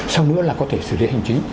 sau nữa là có thể xử lý hành trí